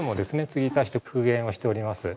継ぎ足して復元をしております。